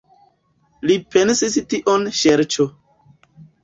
Li penis tion ŝerco.